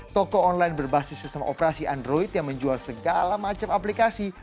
toko online berbasis sistem operasi android yang menjual segala macam aplikasi